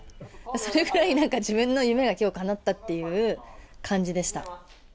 それぐらい、なんか自分の夢がきょうかなったっていう感じでした。